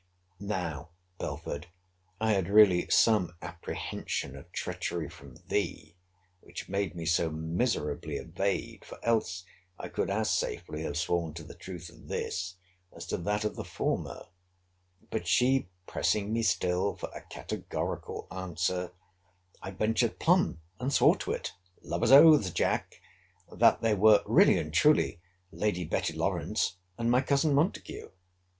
Now, Belford, I had really some apprehension of treachery from thee; which made me so miserably evade; for else, I could as safely have sworn to the truth of this, as to that of the former: but she pressing me still for a categorical answer, I ventured plumb; and swore to it, [lover's oaths, Jack!] that they were really and truly Lady Betty Lawrance and my cousin Montague.